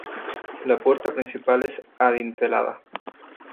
La puerta principal es adintelada.